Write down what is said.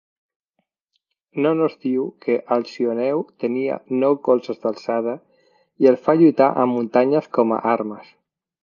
Nonnos diu que Alcioneu tenia nou colzes d'alçada i el fa lluitar amb muntanyes com a armes.